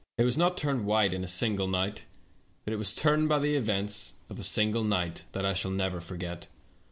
It was not turned white in a single night, but it was turned by the events of a single night that I shall never forget.